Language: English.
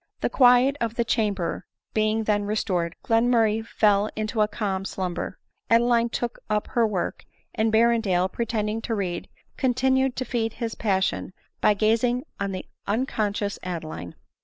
The quiet of the Chamber being then restored, Glen murray tell into a calm slumber; Adeline took up her work ; and Berrendale, pretending to read, continued to feed his passion by gazing on the unconscious Adeline.